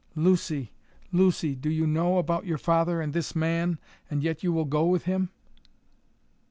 "Lucy, Lucy! Do you know about your father and this man and yet you will go with him?"